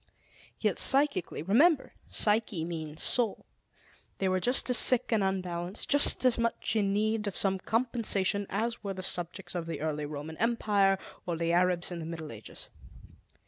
Yet, psychically remember, "psyche" means "soul" they were just as sick and unbalanced, just as much in need of some compensation as were the subjects of the early Roman empire, or the Arabs in the Middle Ages.